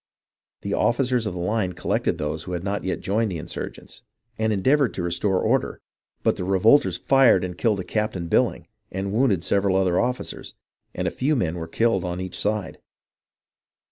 The officers of the line collected those who had ncit yet joined the insurgents, and endeavoured to restore order, but the revolters fired and killed a Captain BilHng, and wounded several other officers, and a few men were killed on each side.